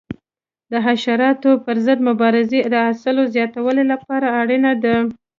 د حشراتو پر ضد مبارزه د حاصل زیاتوالي لپاره اړینه ده.